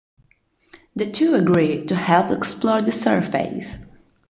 The two agree to help explore the surface.